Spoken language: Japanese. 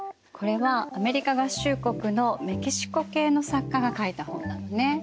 これはアメリカ合衆国のメキシコ系の作家が書いた本なのね。